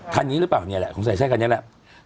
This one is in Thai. คันนี้หรือเปล่าเนี่ยแหละสงสัยไส้คันนี้แหละ